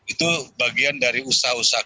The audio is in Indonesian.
itu bagian dari usaha usaha